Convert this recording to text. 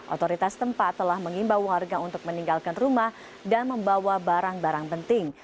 otoritas tempat telah mengimbau warga untuk meninggalkan rumah dan membawa barang barang penting